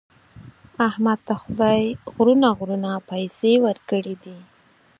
احمد ته خدای غرونه غرونه پیسې ورکړي دي.